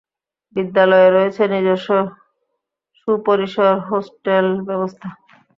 বিশ্ববিদ্যালয়ে রয়েছে নিজস্ব সুপরিসর হোস্টেল ব্যবস্থা।